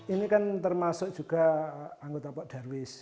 ini kan termasuk juga anggota pak darwis